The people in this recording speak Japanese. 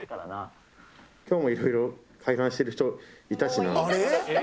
今日もいろいろ解散してる人いたしな。